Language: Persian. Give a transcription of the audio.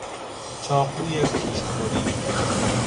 چاقوی گوشتبری